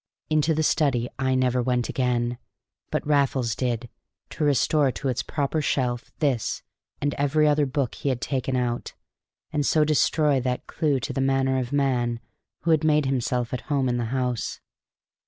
Into the study I never went again; but Raffles did, to restore to its proper shelf this and every other book he had taken out and so destroy that clew to the manner of man who had made himself at home in the house.